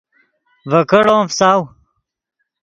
ڤے کیڑو ام فساؤ